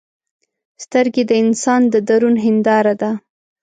سترګې د انسان د درون هنداره ده